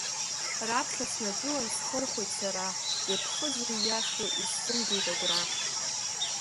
Раԥхьа снагылан, схырхәеит сара, иԥхыӡу-ииашоу исзымгеит агәра.